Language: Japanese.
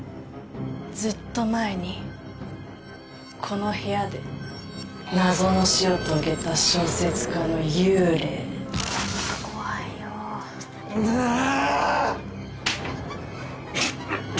ずっと前にこの部屋で謎の死を遂げた小説家の幽霊あー！